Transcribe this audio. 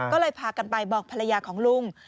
ก็เลยพากันไปบอกภรรยาของลุง